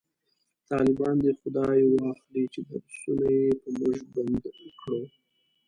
طالبان دی خداي واخلﺉ چې درسونه یې په موژ بند کړو